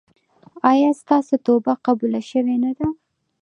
ایا ستاسو توبه قبوله شوې نه ده؟